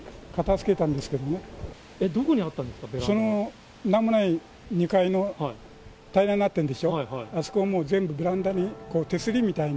その、なんもない２階の平らになってるでしょ、あそこはもう、全部ベランダに、手すりみたいに。